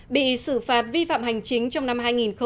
bị xử phạt vi phạm hành chính trong năm hai nghìn một mươi chín